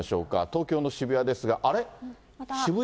東京の渋谷ですが、あれ？